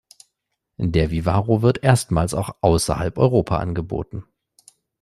Der Vivaro wird erstmals auch außerhalb Europa angeboten.